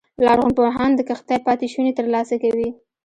لرغونپوهان د کښتۍ پاتې شونې ترلاسه کوي